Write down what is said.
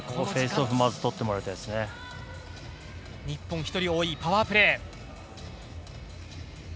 日本１人多いパワープレー。